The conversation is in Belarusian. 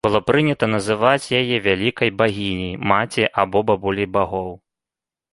Было прынята называць яе вялікай багіняй, маці або бабуляй багоў.